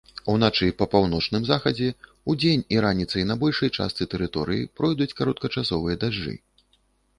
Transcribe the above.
Уначы па паўночным захадзе, удзень і раніцай на большай частцы тэрыторыі пройдуць кароткачасовыя дажджы.